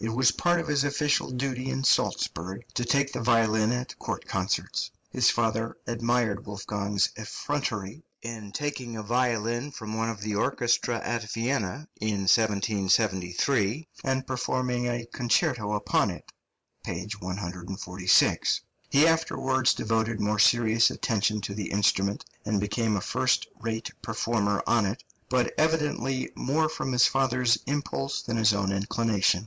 It was part of his official duty in Salzburg to take the violin at court concerts. His father admired Wolfgang's effrontery in taking a violin from one of the orchestra at Vienna in 1773, and performing a concerto upon it (p. 146). He afterwards devoted more serious attention to the instrument, and became a first rate performer on it, but evidently more from his father's impulse than his own inclination.